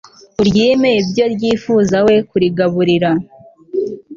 uryime ibyo ryifuza we kurigaburira